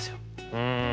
うん。